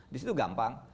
di situ gampang